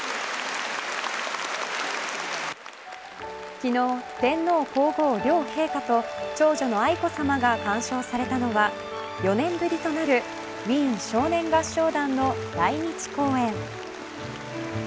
昨日、天皇皇后両陛下と長女の愛子さまが鑑賞されたのは４年ぶりとなるウィーン少年合唱団の来日公演。